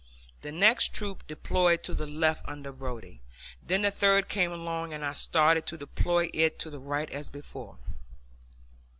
The next troop deployed to the left under Brodie. Then the third came along, and I started to deploy it to the right as before.